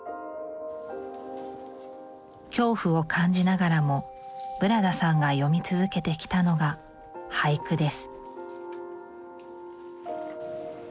恐怖を感じながらもブラダさんが詠み続けてきたのが俳句です